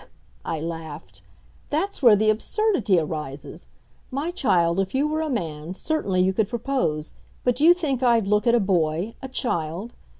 I laughed. "That's where the absurdity arises. My child, if you were a man, certainly you could propose, but do you think I'd look at a boy, a child!